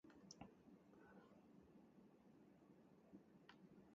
運手が目まぐるしく入れ替わる為に精度が非常に取りづらい。